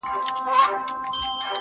دا خو ډيره گرانه ده_